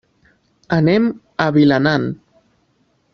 Anem a Vilanant.